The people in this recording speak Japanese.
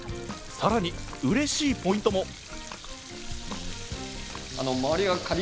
更にうれしいポイントも！